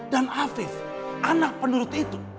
dan afif anak penurut itu